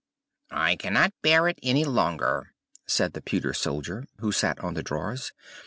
"I cannot bear it any longer!" said the pewter soldier, who sat on the drawers.